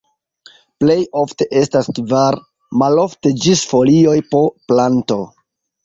Plej ofte estas kvar, malofte ĝis folioj po planto.